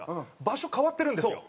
場所変わってるんですよ。